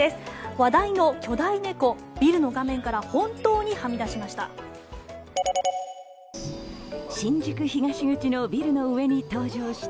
話題の巨大猫ビルの画面から本当にはみ出しました。